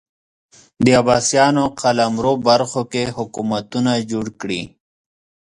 د عباسیانو قلمرو برخو کې حکومتونه جوړ کړي